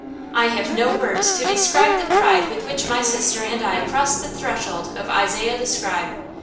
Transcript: I have no words to describe the pride with which my sister and I crossed the threshold of Isaiah the Scribe.